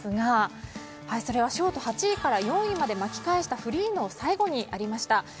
それはショート８位から４位まで巻き返したフリーの最後にありました。